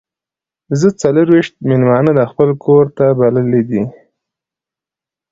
زه څلور ویشت میلمانه د خپل کور ته بللي دي.